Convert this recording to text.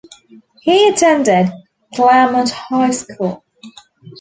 He attended Claremont High School.